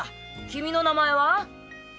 君の名前は？